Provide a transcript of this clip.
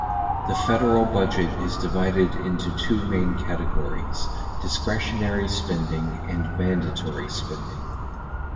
The federal budget is divided into two main categories: discretionary spending and mandatory spending.